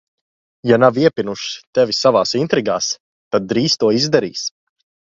Ja nav iepinuši tevi savās intrigās, tad drīz to izdarīs.